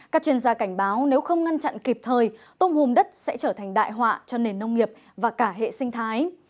các chuyên gia cảnh báo nếu không ngăn chặn kịp thời tôm hùm đất sẽ trở thành đại họa cho nền nông nghiệp và cả hệ sinh thái